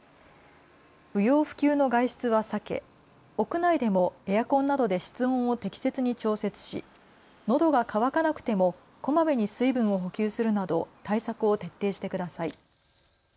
不要不急の外出は避け、屋内でもエアコンなどで室温を適切に調節しのどが渇かなくてもこまめに水分を補給するなど対策を徹底してください。